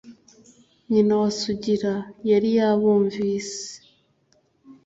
Nyina wa Sugira yari yabumvise.